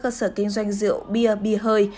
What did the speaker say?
cơ sở kinh doanh rượu bia bia hơi